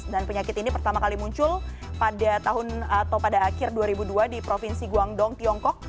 dan penyakit ini pertama kali muncul pada tahun atau pada akhir dua ribu dua di provinsi guangdong tiongkok